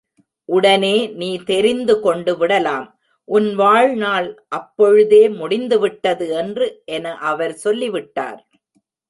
உடனே நீ தெரிந்து கொண்டுவிடலாம், உன் வாழ்நாள் அப்பொழுதே முடிந்துவிட்டது என்று என அவர் சொல்லிவிட்டார்.